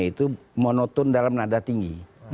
itu monoton dalam nada tinggi